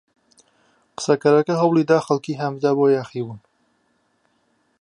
قسەکەرەکە هەوڵی دا خەڵک هان بدات بۆ یاخیبوون.